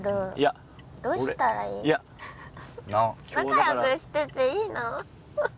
仲良くしてていいの？